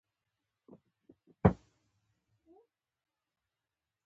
یوسف ته مې وویل دا څه مانا؟